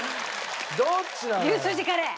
牛すじカレー。